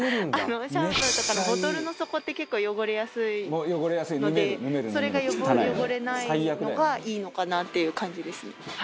シャンプーとかのボトルの底って結構汚れやすいのでそれが汚れないのがいいのかなっていう感じですね。